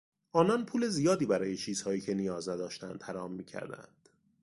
آنان پول زیادی برای چیزهایی که نیاز نداشتند حرام میکردند.